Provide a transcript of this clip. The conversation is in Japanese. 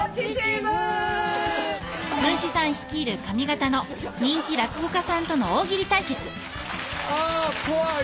文枝さん率いる上方の人気落語家さんとの大喜利対決あ怖い。